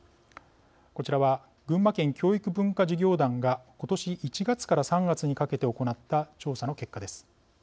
こちらは群馬県教育文化事業団が今年１月から３月にかけて行った調査の結果です。